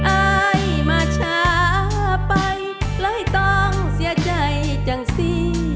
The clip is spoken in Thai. อายมาช้าไปเลยต้องเสียใจจังสิ